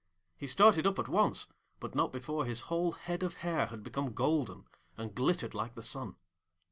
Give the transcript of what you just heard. He started up at once, but not before his whole head of hair had become golden, and glittered like the sun.